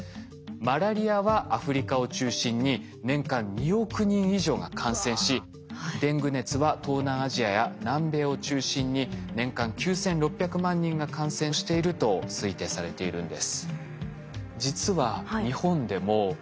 マラリアはアフリカを中心に年間２億人以上が感染しデング熱は東南アジアや南米を中心に年間９，６００万人が感染していると推定されているんです。